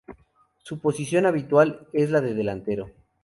Su posición habitual es la de delantero.